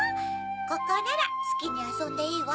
ここならすきにあそんでいいわ。